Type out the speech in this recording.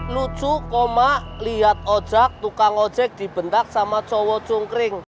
lucu lihat ojek tukang ojek dibentak sama cowok cungkring